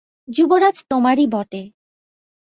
যুবরাজ তোমারই বটে!